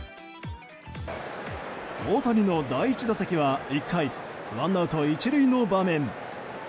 大谷の第１打席は１回、ワンアウト１塁の場面。